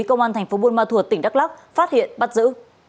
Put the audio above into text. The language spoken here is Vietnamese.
công an tp bunma thuật tỉnh đắk lắc phát hiện bắt giữ